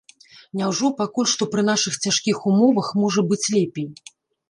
Няўжо пакуль што пры нашых цяжкіх умовах можа быць лепей?